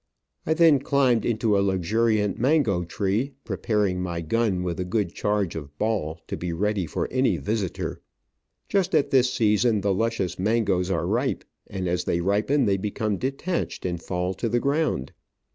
I then climbed into a luxuriant mango tree, preparing my gun with a good charge of ball to be ready for any visitor. Just at this season the luscious mangoes are ripe, and Digitized by VjOOQIC OF AN Orchid Hunter. 203 as they ripen they become detached and fall to the ground.